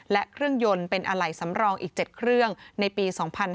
และเครื่องยนต์เป็นอะไหล่สำรองอีก๗เครื่องในปี๒๕๕๙